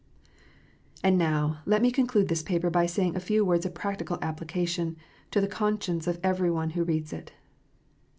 And now, let me conclude this paper by saying a few words of practical application to the conscience of every one who reads it.